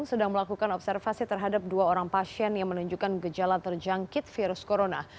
sedang melakukan observasi terhadap dua orang pasien yang menunjukkan gejala terjangkit virus corona